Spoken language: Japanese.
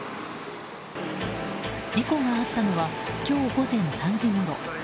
事故があったのは今日午前３時ごろ。